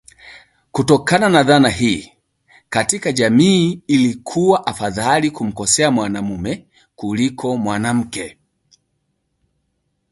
Kutokana na dhana hii, katika jamii ilikuwa afadhali kumkosea mwanamume kuliko mwanamke